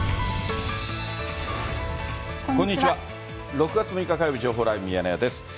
６月６日火曜日、情報ライブミヤネ屋です。